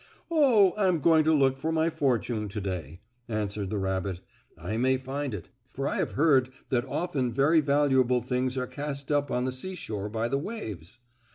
"Oh, I am going to look for my fortune to day," answered the rabbit. "I may find it, for I have heard that often very valuable things are cast up on the seashore by the waves.